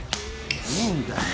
いいんだよ